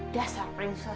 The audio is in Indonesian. delaware gue saatnya serah